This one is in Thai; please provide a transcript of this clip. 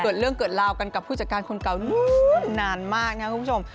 เกิดเรื่องเกิดราวกันกับผู้จัดการคนเก่านู้นนานมากนะครับคุณผู้ชม